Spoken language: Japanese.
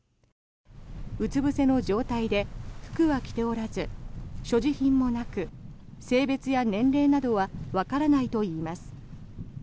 うつぶせの状態で服は着ておらず所持品もなく、性別や年齢などはわからないといいます。